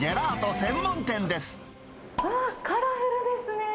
専うわー、カラフルですね。